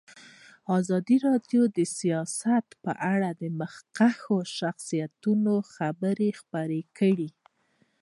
ازادي راډیو د سیاست په اړه د مخکښو شخصیتونو خبرې خپرې کړي.